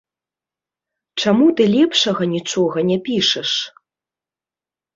Чаму ты лепшага нічога не пішаш?